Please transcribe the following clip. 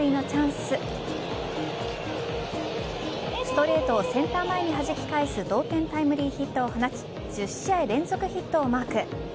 ストレートをセンター前にはじき返す同点タイムリーヒットを放ち１０試合連続タイムリーヒットをマック。